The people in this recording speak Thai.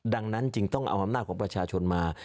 ดังนั้นจึงต้องเอาอำนาจของประชาชนมา